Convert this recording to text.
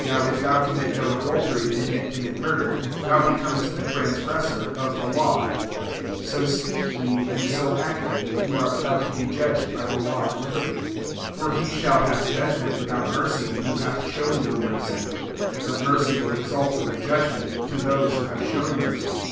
Now if thou commit no «idl tery, and yet commit m^ifa*, thou becomest a transgresaOtef JAMES IIL 369 the law. 1£ So speak ye, and so act ye, who are about to be judged by the law of liberty. 13 For he shall have judgment without mercy, who hath shown no mercy : but mercy will exult over judigment) to those who have shown mercy.